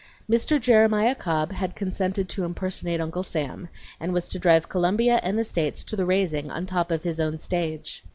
Mr. Jeremiah Cobb had consented to impersonate Uncle Sam, and was to drive Columbia and the States to the "raising" on the top of his own stage.